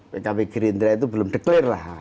pkb gerindra itu belum deklarasi lah